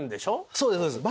そうですそうです。